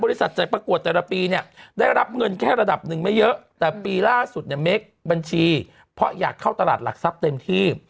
จัดประกวดแต่ละปีเนี่ยได้รับเงินแค่ระดับหนึ่งไม่เยอะแต่ปีล่าสุดเนี่ยเมคบัญชีเพราะอยากเข้าตลาดหลักทรัพย์เต็มที่